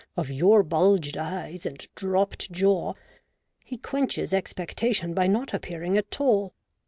) of your bulged eyes and dropped jaw, he quenches expectation by not appear ing at all.